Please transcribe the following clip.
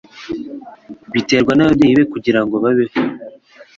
Biterwa nababyeyi be kugirango babeho.